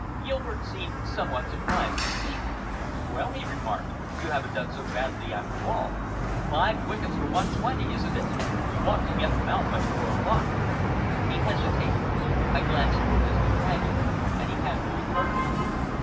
Gilbert seemed somewhat surprised to see me! "Well," he remarked, "you haven't done so badly after all. Five wickets for 120 isn't it? You ought to get them out by four o'clock." He hesitated. I glanced towards his companion, and he had no alternative.